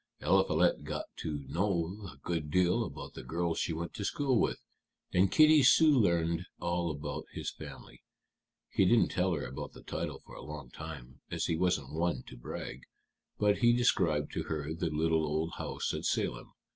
Eliphalet got to know a good deal about the girls she went to school with; and Kitty soon learned all about his family. He didn't tell her about the title for a long time, as he wasn't one to brag. But he described to her the little old house at Salem.